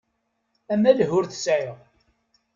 Amaleh ur t-sεiɣ.